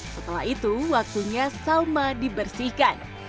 setelah itu waktunya salma dibersihkan